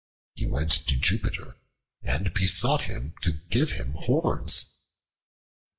He went to Jupiter, and besought him to give him horns.